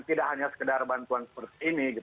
tidak hanya sekedar bantuan seperti ini